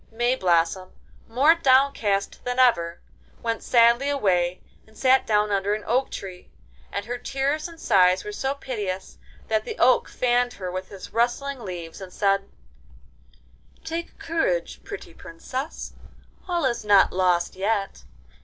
Mayblossom, more downcast than ever, went sadly away and sat down under an oak tree, and her tears and sighs were so piteous that the oak fanned her with his rustling leaves, and said: 'Take courage, pretty Princess, all is not lost yet.